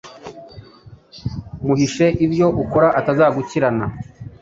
Muhishe ibyo ukora atazagukirana.